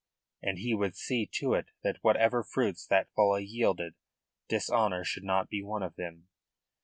And he would see to it that whatever fruits that folly yielded, dishonour should not be one of them.